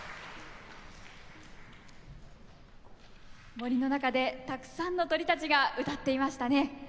森の中でたくさんの鳥たちが歌っていましたね。